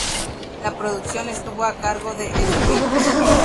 La producción estuvo a cargo de Switch.